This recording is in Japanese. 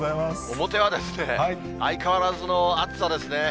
表は相変わらずの暑さですね。